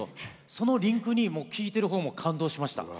そのリンクに聴いているほうも感動しました。